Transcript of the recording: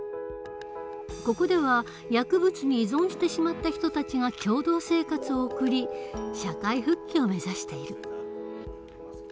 ここでは薬物に依存してしまった人たちが共同生活を送り社会復帰を目指している。